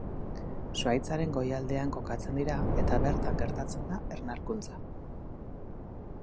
Zuhaitzaren goialdean kokatzen dira eta bertan gertatzen da ernalkuntza.